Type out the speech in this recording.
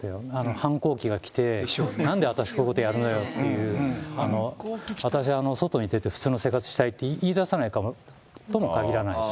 反抗期が来て、なんで私、こういうことやるのよっていう、私、外に出て普通に生活したいって言い出さないとも限らないですし。